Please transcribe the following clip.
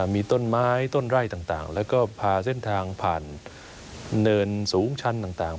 มีต้นไม้ต้นไร่ต่างแล้วก็พาเส้นทางผ่านเนินสูงชั้นต่าง